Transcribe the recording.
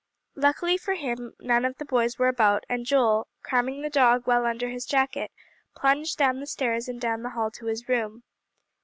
Luckily for him, none of the boys were about; and Joel, cramming the dog well under his jacket, plunged up the stairs, and down the hall to his room.